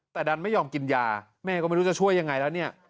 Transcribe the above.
แต่ดันไม่ยอมกินยาแม่ก็ไม่รู้จะช่วยยังไงแล้วเนี่ย